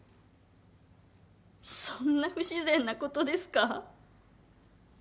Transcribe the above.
そんな不自然なことですか？